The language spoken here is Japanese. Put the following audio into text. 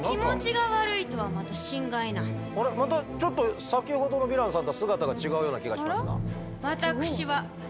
またちょっと先ほどのヴィランさんとは姿が違うような気がしますが。